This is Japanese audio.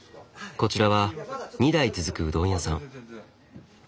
こちらは２代続くうどん屋さん。